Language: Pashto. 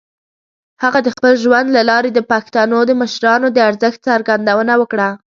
هغه د خپل ژوند له لارې د پښتنو د مشرانو د ارزښت څرګندونه وکړه.